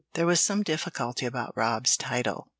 There was some difficulty about Rob's title.